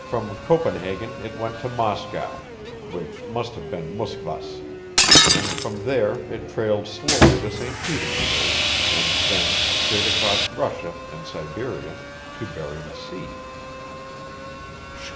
From Copenhagen it went to Moscow which must have been Muskvas, and from there it trailed slowly to St. Petersburg and thence straight across Russia and Siberia to Bering Sea.